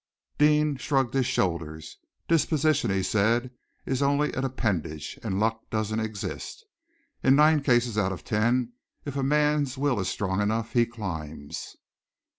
Deane shrugged his shoulders. "Disposition," he said, "is only an appendage, and luck doesn't exist. In nine cases out of ten, if a man's will is strong enough, he climbs."